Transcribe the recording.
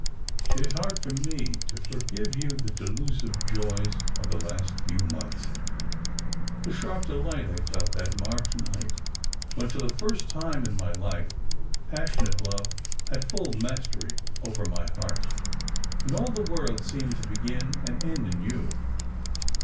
It is hard for me to forgive you the delusive joys of the last few months — the deep delight I felt that March night when for the first time in my life passionate love had full mastery over my heart, and all the world seemed to begin and. end in you.